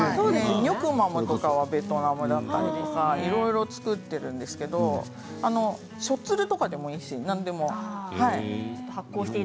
ニョクマムはベトナムだったりいろいろ作っているんですけどしょっつるとかでもいいしなんでも。